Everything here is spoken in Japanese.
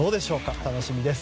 楽しみです。